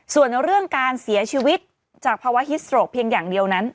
ส่วนเรื่องการเสียชีวิตจากภาวะฮิสโตรกเพียงอย่างเดียวนั้น